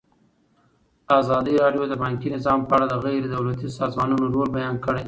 ازادي راډیو د بانکي نظام په اړه د غیر دولتي سازمانونو رول بیان کړی.